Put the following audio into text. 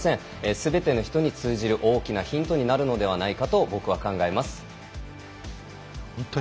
すべての人に通じる大きなヒントになるのではないか